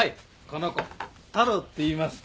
この子太郎っていいます。